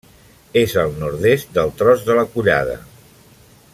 És al nord-est del Tros de la Collada.